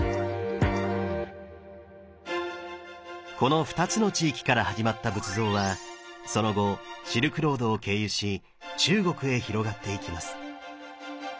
この２つの地域から始まった仏像はその後シルクロードを経由し中国へ広がっていきます。